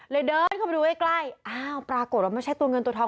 เลยเดินเข้าไปดูไว้ใกล้อ้าวปลากรบแล้วไม่ใช่ตัวเงินตัวทอง